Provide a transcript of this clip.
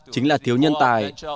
chính là thiếu nhân tài